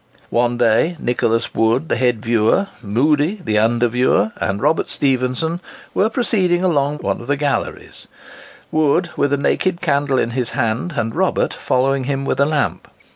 One day Nicholas Wood, the head viewer, Moodie the under viewer, and Robert Stephenson, were proceeding along one of the galleries, Wood with a naked candle in his hand, and Robert following him with a lamp.